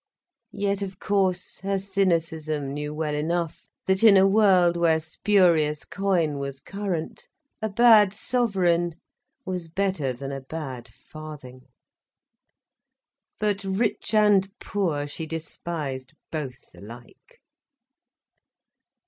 Yet of course, her cynicism knew well enough that, in a world where spurious coin was current, a bad sovereign was better than a bad farthing. But rich and poor, she despised both alike.